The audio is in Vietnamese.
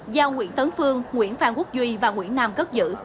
do nguyễn tấn phương nguyễn phan quốc duy và nguyễn nam cất giữ